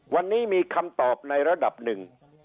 วันนี้มีคำตอบในระดับหนึ่ง